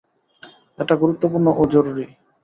এটা গুরুত্বপূর্ণ ও জরুরি।